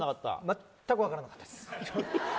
全く分からなかったです。